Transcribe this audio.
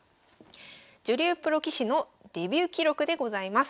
女流プロ棋士のデビュー記録でございます。